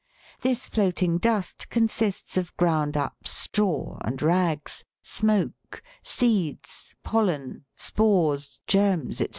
This floating dust consists of ground up straw and rags, smoke, seeds, pollen, spores, germs, &c.